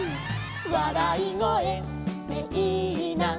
「わらいごえっていいな」